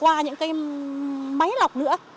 qua những cái máy lọc nữa